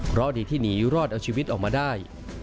เพราะดีที่หนีรอดเอาชีวิตออกมาได้